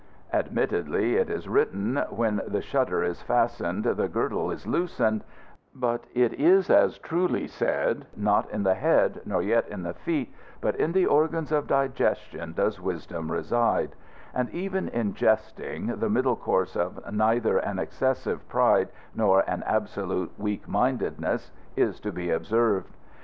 Admittedly it is written, "When the shutter is fastened the girdle is loosened," but it is as truly said, "Not in the head, nor yet in the feet, but in the organs of digestion does wisdom reside," and even in jesting the middle course of neither an excessive pride nor an absolute weak mindedness is to be observed.